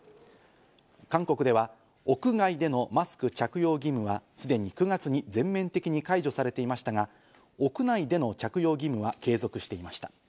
韓国では屋外でのマスク着用義務はすでに９月に全面的に解除されていましたが、屋内での着用義務は継続していました。